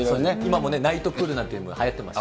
今もね、ナイトプールとかはやってますし。